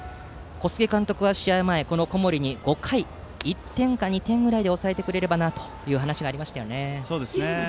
小菅監督は、試合前小森に５回、１点か２点ぐらいで抑えてくれればなという話がありました。